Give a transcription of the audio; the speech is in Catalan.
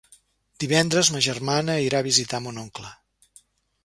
Divendres ma germana irà a visitar mon oncle.